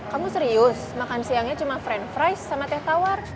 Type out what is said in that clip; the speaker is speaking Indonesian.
kamu serius makan siangnya cuma friend fresh sama teh tawar